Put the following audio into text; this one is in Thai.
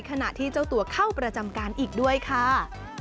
ขณะที่เจ้าตัวเข้าประจำการอีกด้วยค่ะ